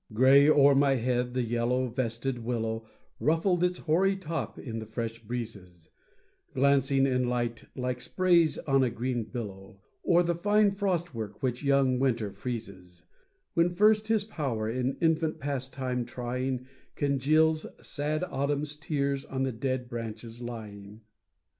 Gray o'er my head the yellow vested willow Ruffled its hoary top in the fresh breezes, Glancing in light, like spray on a green billow, Or the fine frost work which young winter freezes; When first his power in infant pastime trying, Congeals sad autumn's tears on the dead branches lying.